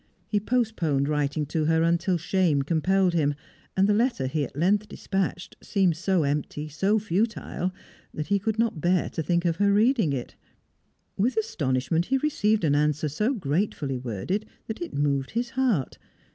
He postponed writing to her, until shame compelled him, and the letter he at length despatched seemed so empty, so futile, that he could not bear to think of her reading it. With astonishment he received an answer so gratefully worded that it moved his heart.